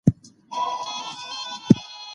ستاسو شپه او ورځ نېکمرغه.